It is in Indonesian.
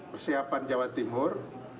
persiapan jawa timur